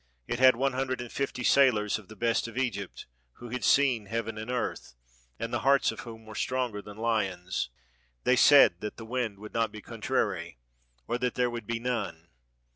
It had one hundred and fifty sailors of the best of Egypt, who had seen heaven and earth, and the hearts of whom were stronger than lions. They said that the wind would not be contrary, or that there would be none.